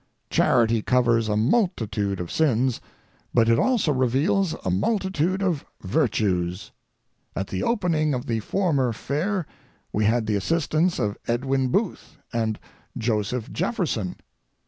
Charity covers a multitude of sins, but it also reveals a multitude of virtues. At the opening of the former fair we had the assistance of Edwin Booth and Joseph Jefferson.